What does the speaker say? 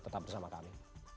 tetap bersama kami